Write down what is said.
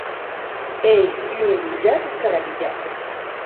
Ei un gojat escarrabilhat.